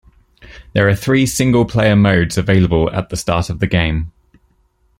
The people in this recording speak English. There are three Single Player modes available at the start of the game.